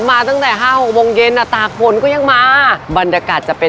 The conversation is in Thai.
มาตั้งแต่ห้าหกโมงเย็นอ่ะตาฝนก็ยังมาบรรยากาศจะเป็น